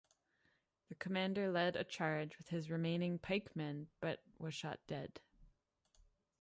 The commander led a charge with his remaining pikemen but was shot dead.